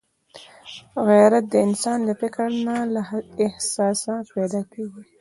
غیرت د انسان له فکره نه، له احساسه پیدا کېږي